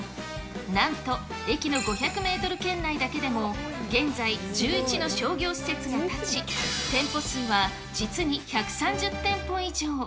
なんと、駅の５００メートル圏内だけでも現在、１１の商業施設が建ち、店舗数は実に１３０店舗以上。